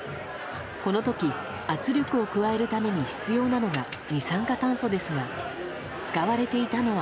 この時圧力を加えるために必要なのが二酸化炭素ですが使われていたのは。